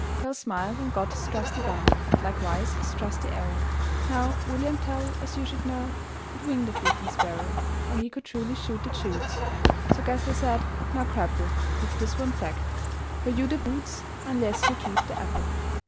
Tell smiled, and got his trusty bow, Likewise his trusty arrow (Now, William Tell, as you should know, Could wing the fleeting sparrow Or he could truly shoot the chutes) So Gessler said: "Now grapple With this one fact for you the boots Unless you cleave the apple."